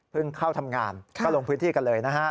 เพิ่งเข้าทำงานก็ลงพื้นที่กันเลย